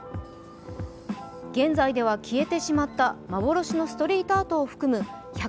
現在では消えてしまった幻のストリートアートを含む